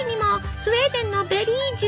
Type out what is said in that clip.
スウェーデンのベリー術。